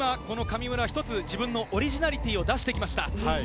今一つ自分のオリジナリティーを出してきました。